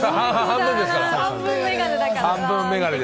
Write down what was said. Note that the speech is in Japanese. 半分眼鏡ですから。